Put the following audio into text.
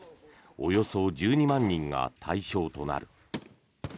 およそ１２万人が対象となる。